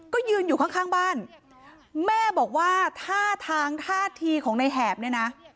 ก็ยืนอยู่ข้างข้างบ้านแม่บอกว่าท่าทางท่าทีของในแหบเนี่ยนะ